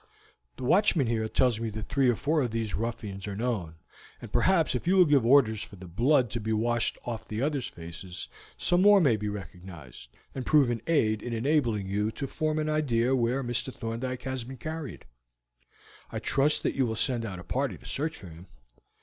"The watchman here tells me that three or four of these ruffians are known, and perhaps if you will give orders for the blood to be washed off the others' faces some more may be recognized and prove an aid in enabling you to form an idea where Mr. Thorndyke has been carried. I trust that you will send out a party to search for him.